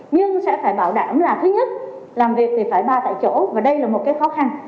nhưng sẽ phải bảo đảm là thứ nhất làm việc thì phải ba tại chỗ và đây là một cái khó khăn